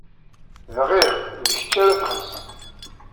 Bɣiɣ d kecc ara t-ixellṣen.